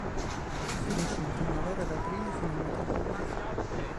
Fiorisce in primavera da aprile fino a metà luglio.